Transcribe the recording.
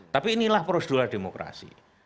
tapi inilah prosedural demokrasi